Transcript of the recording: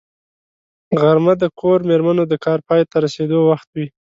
غرمه د کور مېرمنو د کار پای ته رسېدو وخت وي